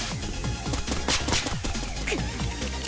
「」くっ！